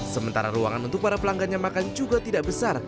sementara ruangan untuk para pelanggannya makan juga tidak besar